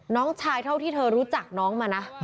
น้องชายเท่าที่เธอรู้จักน้องมานะ